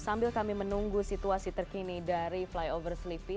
sambil kami menunggu situasi terkini dari flyover sleepy